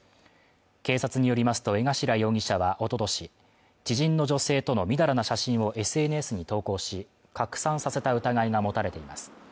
警察によりますと江頭容疑者はおととし知人の女性とのみだらな写真をＳＮＳに投稿し拡散させた疑いが持たれています